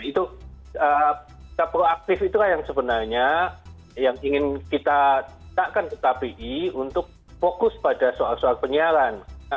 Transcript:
itu proaktif itulah yang sebenarnya yang ingin kita takkan ke kpi untuk fokus pada soal soal penyiaran